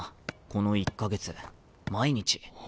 この１か月毎日。